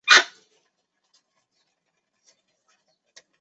视网膜细胞带微绒毛的一侧称为感杆分体。